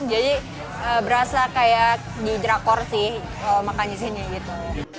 jadi berasa kayak di drakor sih kalau makan di sini gitu